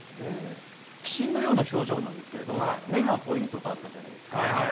鬼神のような表情なんですけれど目がポイントとあったじゃないですか。